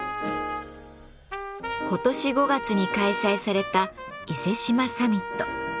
今年５月に開催された伊勢志摩サミット。